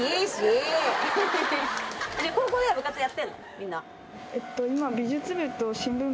みんな。